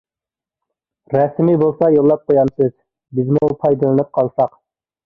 رەسىمى بولسا يوللاپ قويامسىز؟ بىزمۇ پايدىلىنىپ قالساق.